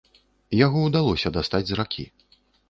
Яго ўдалося дастаць з ракі.